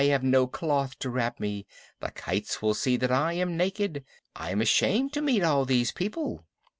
I have no cloth to wrap me. The kites will see that I am naked. I am ashamed to meet all these people.